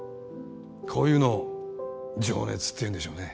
こういうの情熱っていうんでしょうね